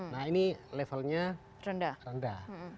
nah ini levelnya rendah